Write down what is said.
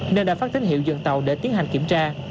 nên đã phát tín hiệu dừng tàu để tiến hành kiểm tra